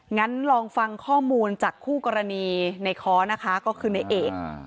งั้นลองฟังข้อมูลจากคู่กรณีในค้อนะคะก็คือในเอก